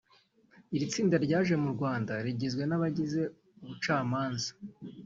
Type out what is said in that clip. Iri tsinda ryaje mu Rwanda rigizwe n’abagize ubucamanza